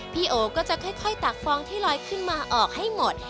โอก็จะค่อยตักฟองที่ลอยขึ้นมาออกให้หมด